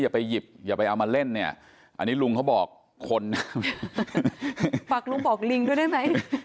ไปหยิบอย่าไปเอามาเล่นเนี่ยอันนี้ลุงเขาบอกคนนะฝากลุงบอกลิงด้วยได้ไหม